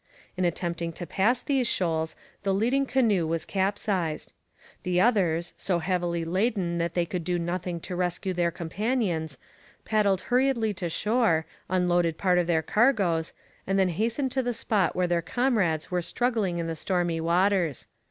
In attempting to pass these shoals the leading canoe was capsized. The others, so heavily laden that they could do nothing to rescue their companions, paddled hurriedly to shore, unloaded part of their cargoes, and then hastened to the spot where their comrades were struggling in the stormy waters.